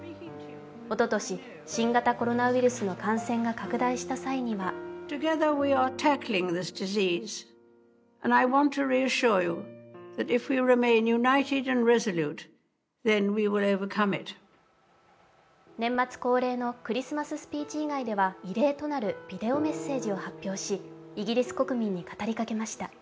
おととし、新型コロナウイルスの感染が拡大した際には年末恒例のクリスマススピーチ以外では異例となるビデオメッセージを発表し、イギリス国民に語りかけました。